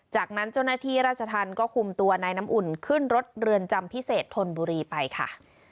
จากนั้นเจ้าหน้าที่ราชธรรมก็คุมตัวนายน้ำอุ่นขึ้นรถเรือนจำพิเศษธนบุรีไปค่ะ